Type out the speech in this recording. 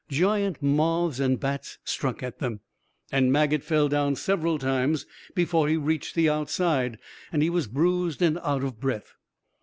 Giant moths and bats struck at them, and Maget fell down several times before he reached the outside, and he was bruised and out of breath.